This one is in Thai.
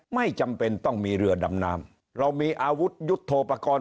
ไม่จำเป็นต้องมีเรือดำน้ำเรามีอาวุธยุทธโปรกรณ์